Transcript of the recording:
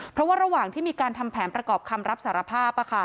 เพราะว่าระหว่างที่มีการทำแผนประกอบคำรับสารภาพ